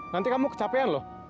nanti kamu kecapean loh